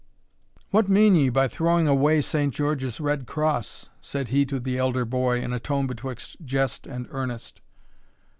"What mean ye by throwing away Saint George's red cross?" said he to the elder boy, in a tone betwixt jest and earnest.